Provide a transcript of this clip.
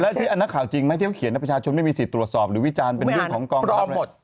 แล้วที่อันนั้นข่าวจริงไหมที่เขาเขียนนักประชาชมไม่มีสิทธิ์ตรวจสอบหรือวิจารณ์เป็นเรื่องของกองศัพท์